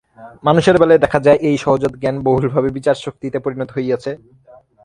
মানুষের বেলায় দেখা যায়, এই সহজাত জ্ঞান বহুলভাবে বিচারশক্তিতে পরিণত হইয়াছে।